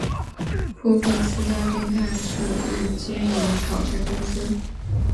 部份私家侦探社亦兼营讨债公司。